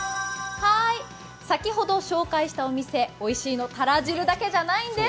先ほど紹介したお店、おいしいのたら汁だけじゃないんです。